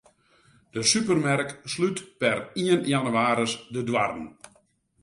De supermerk slút per ien jannewaris de doarren.